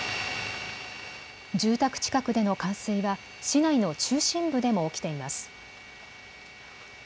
住宅近くでの冠水は市内の中心部でも起きています。